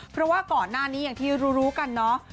เพราะว่าก่อนหน้านี้อย่างที่รู้กันเนาะ